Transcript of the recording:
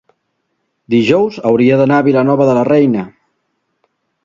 Dijous hauria d'anar a Vilanova de la Reina.